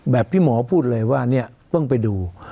ที่หมอพูดเลยว่าเนี่ยต้องไปดู